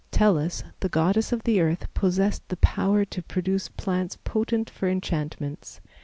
Tellus, the goddess of the earth, possessed the power to produce plants potent for enchantments.